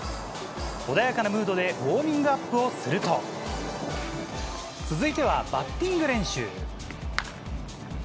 穏やかなムードでウォーミングアップをすると続いてはバッティング練習。